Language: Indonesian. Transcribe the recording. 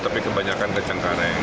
tapi kebanyakan kecengkareng